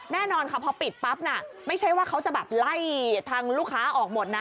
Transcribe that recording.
แน่นอนค่ะพอปิดปั๊บน่ะไม่ใช่ว่าเขาจะแบบไล่ทางลูกค้าออกหมดนะ